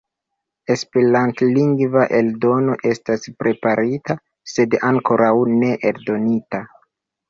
Esperantlingva eldono estas preparita, sed ankoraŭ ne eldonita.